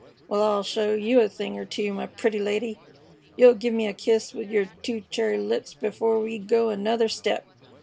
Wal, I'll show yeh a thing er two, my pretty lady. You'll give me a kiss with yer two cherry lips before we go another step.